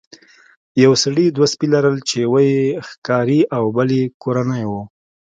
یو سړي دوه سپي لرل چې یو یې ښکاري او بل یې کورنی و.